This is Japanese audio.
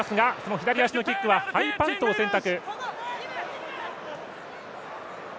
左足のキックはハイパントを選択。